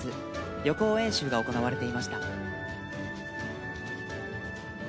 予行演習が行われていました。